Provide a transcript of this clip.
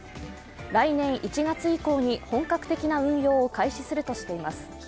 来年１月以降に本格的な運用を開始するとしています。